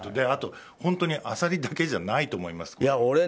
あと、本当にアサリだけじゃないと思います。